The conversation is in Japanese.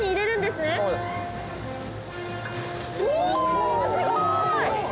すごーい！